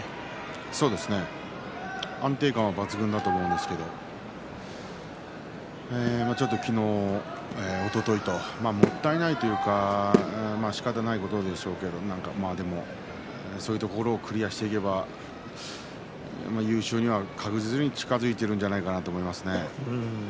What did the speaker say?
そうですね、安定感は抜群だと思うんですけれどちょっと昨日、おとといともったいないというかしかたないことでしょうけどそういうところをクリアーしていけば優勝には確実に近づいているんじゃないかと思いますね。